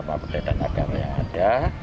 dengan perbedaan agama yang ada